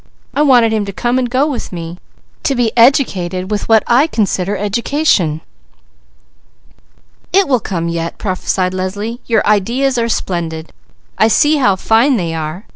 I wanted him to come and go with me. To be educated with what I consider education." "It will come yet," prophesied Leslie. "Your ideas are splendid! I see how fine they are!